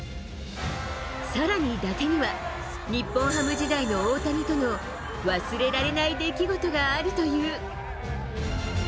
さらに伊達には、日本ハム時代の大谷との忘れられない出来事があるという。